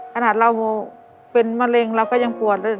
ขนาดเราเป็นมะเร็งเราก็ยังปวดเลย